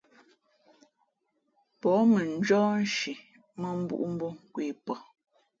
Pα̌h mαnjɔ́h nshi mᾱmbūꞌ mbō nkwe pαh.